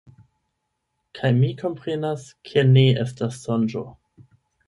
Kaj mi komprenas, ke ne estas sonĝo.